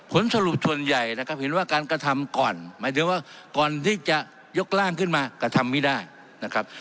ผลสรุปส่วนใหญ่นะครับเห็นว่าการกระทำก่อนหมายถึงว่าก่อนที่จะยกร่างขึ้นมากระทำไม่ได้นะครับ